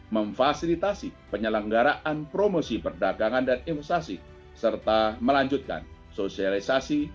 memfasilitasi penyelenggaraan promosi perdagangan dan investasi serta melanjutkan sosialisasi